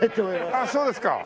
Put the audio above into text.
あっそうですか？